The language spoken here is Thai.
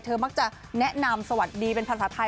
มักจะแนะนำสวัสดีเป็นภาษาไทย